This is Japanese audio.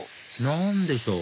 何でしょう？